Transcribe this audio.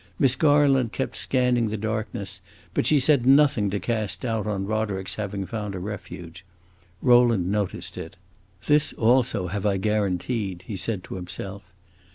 Miss Garland kept scanning the darkness, but she said nothing to cast doubt on Roderick's having found a refuge. Rowland noticed it. "This also have I guaranteed!" he said to himself.